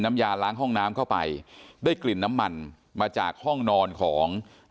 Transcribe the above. น้ำยาล้างห้องน้ำเข้าไปได้กลิ่นน้ำมันมาจากห้องนอนของ